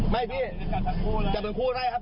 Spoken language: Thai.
ไม่พี่จับทั้งคู่ได้ครับ